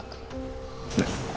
ya terima kasih